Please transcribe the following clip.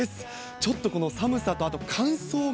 ちょっと寒さと、あと乾燥が。